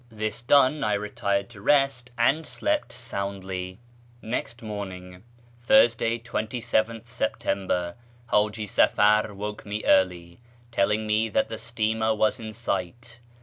This done, I retired to rest and slept soundly. Next morning (Thursday, 27th September) Haji Safar woke me early, telling me that the steamer was in sight.